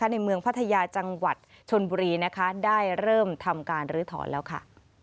ในเมืองพัทยาจังหวัดชนบุรีนะคะได้เริ่มทำการลื้อถอนแล้วค่ะ